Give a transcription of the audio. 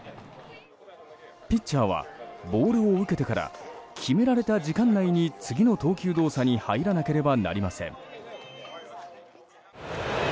ピッチャーはボールを受けてから決められた時間内に次の投球動作に入らなければなりません。